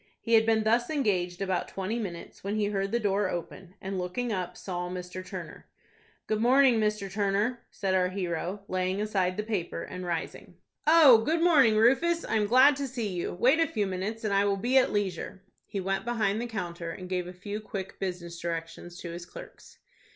He had been thus engaged about twenty minutes, when he heard the door open, and, looking up, saw Mr. Turner. "Good morning, Mr. Turner," said our hero, laying aside the paper, and rising. "Oh, good morning, Rufus. I am glad to see you. Wait a few minutes, and I will be at leisure." He went behind the counter, and gave a few quick business directions to his clerks.